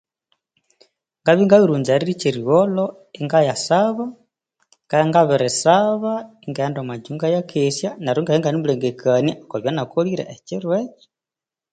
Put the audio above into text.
Ngabya ngabirighunza erirya ekyerigholho ingayasaba ngabya ngabirisaha ingaghenda omwa ngyingo ingayakesya neryo ingabya inganemulengekania okwabyanakolire ekyirwekyo